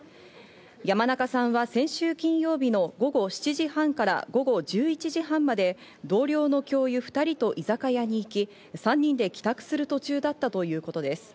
山中さんは先週金曜日の午後７時半から午後１１時半まで同僚の教諭２人と居酒屋に行き、３人で帰宅する途中だったということです。